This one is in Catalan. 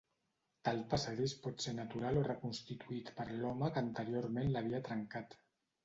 Tal passadís pot ser natural o reconstituït per l'home que anteriorment l'havia trencat.